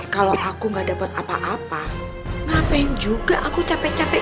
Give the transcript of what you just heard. kalau aku gak dapat apa apa ngapain juga aku capek capek